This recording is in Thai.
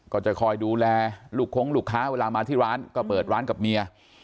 ก็จะคอยดูแลลูกคงลูกค้าเวลามาที่ร้านก็เปิดร้านกับเมีย